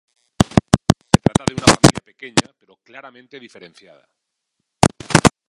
Se trata de una familia pequeña pero claramente diferenciada.